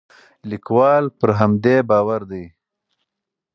لیکوال پر همدې باور دی.